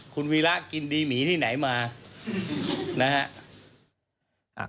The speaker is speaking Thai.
คุณวีระกินดีหมีที่ไหนมานะฮะ